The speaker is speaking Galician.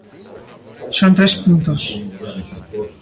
Son tres puntos.